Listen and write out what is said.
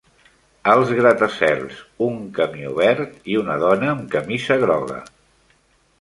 Alts gratacels, un camió verd i una dona amb camisa groga.